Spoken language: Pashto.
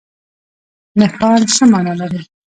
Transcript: نښان څه مانا لري؟